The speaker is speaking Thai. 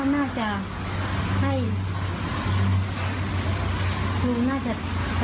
มันมันมันไม่ใช่เด็กแค่คนสองคนนะครับเสียใจ